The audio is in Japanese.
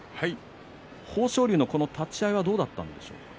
豊昇龍のこの立ち合いはどうだったんでしょうか。